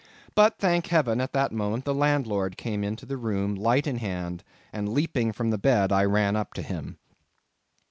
But thank heaven, at that moment the landlord came into the room light in hand, and leaping from the bed I ran up to him.